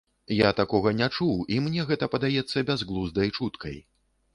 Я такога не чуў, і мне гэта падаецца бязглуздай чуткай.